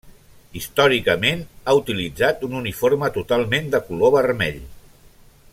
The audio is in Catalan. Històricament ha utilitzat un uniforme totalment de color vermell.